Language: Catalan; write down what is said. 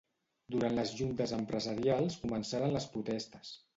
Durant les juntes empresarials començaren les protestes.